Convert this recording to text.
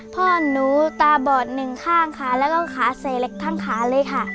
พ่อหนูตาบอดหนึ่งข้างค่ะแล้วก็ขาเสกทั้งขาเลยค่ะ